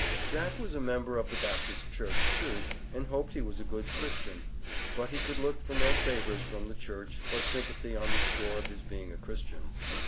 Jack was a member of the Baptist church, too, and hoped he was a good Christian; but he could look for no favors from the Church, or sympathy on the score of his being a Christian.